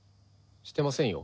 してませんよ。